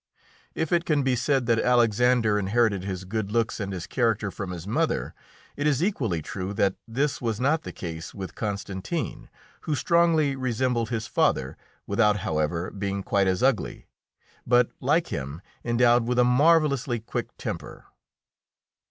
If it can be said that Alexander inherited his good looks and his character from his mother, it is equally true that this was not the case with Constantine, who strongly resembled his father, without, however, being quite as ugly, but like him endowed with a marvellously quick temper.